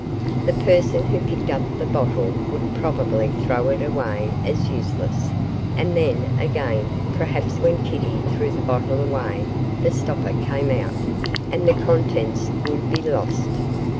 The person who picked up the bottle would probably throw it away again as useless; and then, again, perhaps when Kitty threw the bottle away the stopper came out, and the contents would be lost.